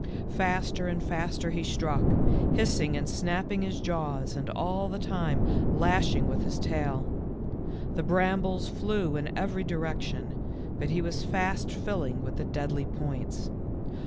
Faster and faster he struck, hissing and snapping his jaws and all the time lashing with his tail. The brambles flew in every direction, but he was fast filling with the deadly points.